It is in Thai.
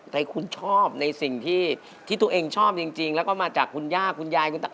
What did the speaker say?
แต่คุณชอบในสิ่งที่ตัวเองชอบจริงแล้วก็มาจากคุณย่าคุณยายคุณตา